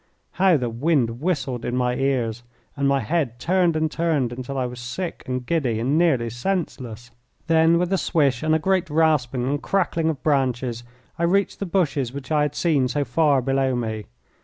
How the wind whistled in my ears, and my head turned and turned until I was sick and giddy and nearly senseless! Then, with a swish and a great rasping and crackling of branches, I reached the bushes which I had seen so far below me.